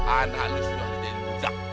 anak lu sudah menjadi lezat